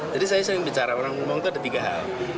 jadi saya sering bicara orang orang itu ada tiga hal